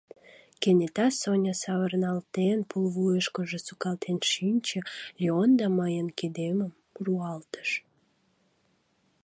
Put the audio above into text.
Кенета Соня, савырналтен, пулвуйышкыжо сукалтен шинче, Леон да мыйын кидемым руалтыш.